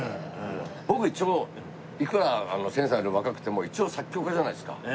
僕一応いくら千さんより若くても一応作曲家じゃないですか。